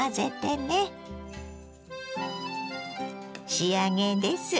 仕上げです。